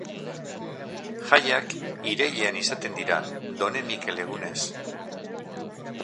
Jaiak irailean izaten dira, Done Mikel egunez.